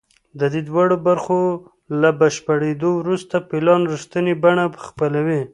د دې دواړو برخو له بشپړېدو وروسته پلان رښتینې بڼه خپلوي